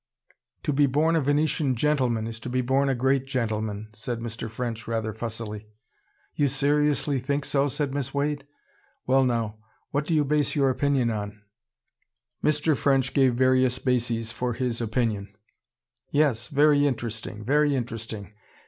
"To be born a Venetian GENTLEMAN, is to be born a great gentleman," said Mr. French, rather fussily. "You seriously think so?" said Miss Wade. "Well now, what do you base your opinion on?" Mr. French gave various bases for his opinion. "Yes interesting. Very interesting.